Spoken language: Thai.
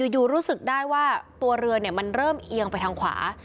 อยู่รู้สึกได้ว่าตัวเรือมันเริ่มเอียงไปทางขวา